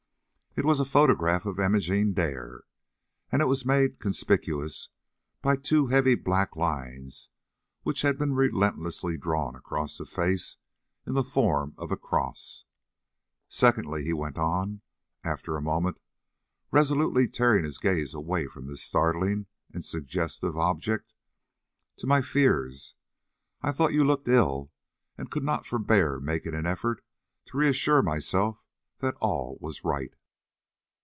It was a photograph of Imogene Dare, and it was made conspicuous by two heavy black lines which had been relentlessy drawn across the face in the form of a cross. "Secondly," he went on, after a moment, resolutely tearing his gaze away from this startling and suggestive object, "to my fears. I thought you looked ill, and could not forbear making an effort to reassure myself that all was right."